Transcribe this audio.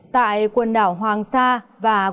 tại quần đảo hoàng sa và quần đảo bắc bắc